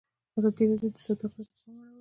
ازادي راډیو د سوداګري ته پام اړولی.